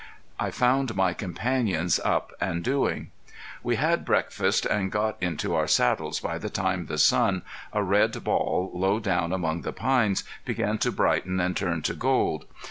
I found my companions up and doing. We had breakfast and got into our saddles by the time the sun, a red ball low down among the pines, began to brighten and turn to gold.